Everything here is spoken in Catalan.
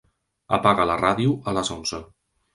Apaga la ràdio a les onze.